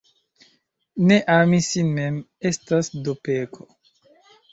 Ne ami sin mem, estas do peko.